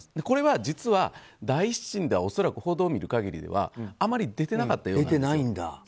これは実は第１審では恐らく報道を見る限りではあまり出てなかったようなんです。